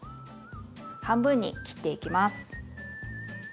半分に切っていきます。